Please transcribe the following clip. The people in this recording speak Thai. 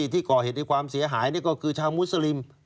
ที่ก่อเหตุในความเสียหายนี่ก็คือชาวมุสลิม